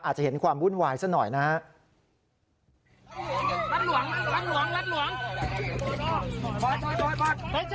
อาจจะเห็นความวุ่นวายซะหน่อยนะครับ